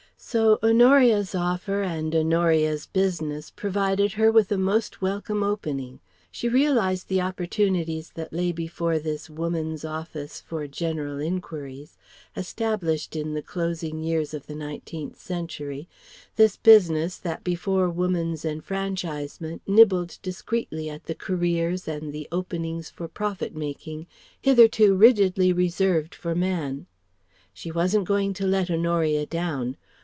So Honoria's offer and Honoria's business provided her with a most welcome opening. She realized the opportunities that lay before this Woman's Office for General Inquiries, established in the closing years of the nineteenth century this business that before Woman's enfranchisement nibbled discreetly at the careers and the openings for profit making hitherto rigidly reserved for Man. She wasn't going to let Honoria down.